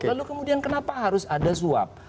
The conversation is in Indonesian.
lalu kemudian kenapa harus ada suap